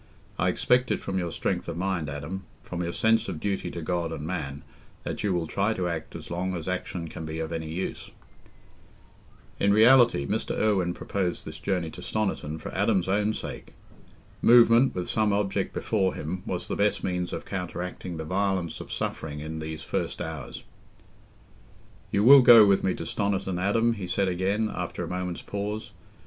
I expect it from your strength of mind, Adam—from your sense of duty to God and man—that you will try to act as long as action can be of any use." In reality, Mr. Irwine proposed this journey to Stoniton for Adam's own sake. Movement, with some object before him, was the best means of counteracting the violence of suffering in these first hours. "You will go with me to Stoniton, Adam?" he said again, after a moment's pause.